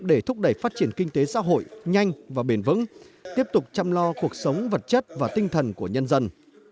để thúc đẩy phát triển kinh tế xã hội nhanh và bền vững tiếp tục chăm lo cuộc sống vật chất và tinh thần của nhân dân